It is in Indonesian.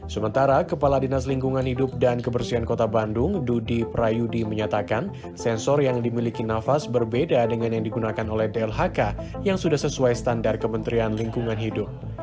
sementara kepala dinas lingkungan hidup dan kebersihan kota bandung dudi prayudi menyatakan sensor yang dimiliki nafas berbeda dengan yang digunakan oleh dlhk yang sudah sesuai standar kementerian lingkungan hidup